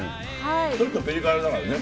ちょっとピリ辛だからね。